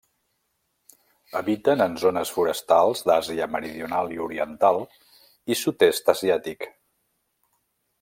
Habiten en zones forestals d'Àsia Meridional i Oriental i Sud-est asiàtic.